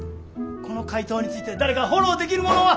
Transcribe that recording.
この回答について誰かフォローできる者は。